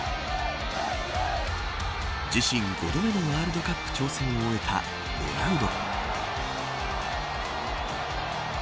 自身５度目のワールドカップ挑戦を終えたロナウド。